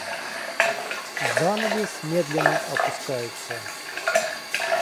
Занавес медленно опускается.